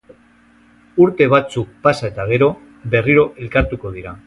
Urte batzuk pasa eta gero, berriro elkartuko dira.